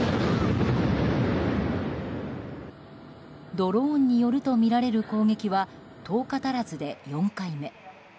ドローンによるとみられる攻撃は１０日足らずで４回目。